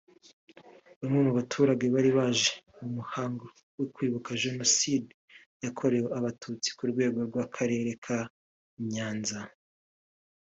Bamwe mu baturage bari baje mu muhango wo kwibuka Jenoside yakorewe Abatutsi ku rwego rw’akarere ka Nyanza